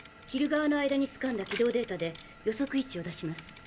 昼側の間につかんだ軌道データで予測位置を出します。